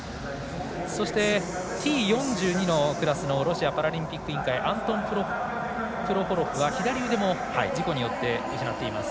そして、Ｔ４２のクラスのロシアパラリンピック委員会のアントン・プロホロフは左腕も事故によって失っています。